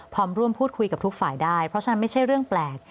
พร้อมร่วมพูดคุยกับทุกฝ่ายได้เพราะฉะนั้นไม่ใช่เรื่องแปลก